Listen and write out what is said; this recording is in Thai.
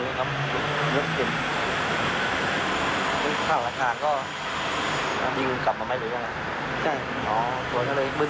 ข้างหลังก็ยิงกลับมาไม่เลยก็แหละ